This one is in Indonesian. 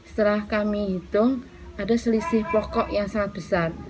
setelah kami hitung ada selisih pokok yang sangat besar